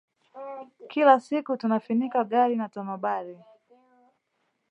Kila siku tunafinika gari na tonobari